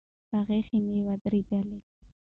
هغه خېمې ودرولې.